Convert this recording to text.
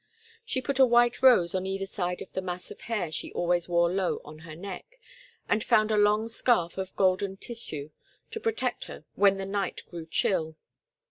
She put a white rose on either side of the mass of hair she always wore low on her neck and found a long scarf of golden tissue to protect her when the night grew chill.